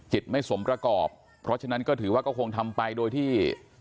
ไม่สมประกอบเพราะฉะนั้นก็ถือว่าก็คงทำไปโดยที่